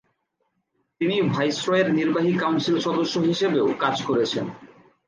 তিনি ভাইসরয়ের নির্বাহী কাউন্সিল সদস্য হিসেবেও কাজ করেছেন।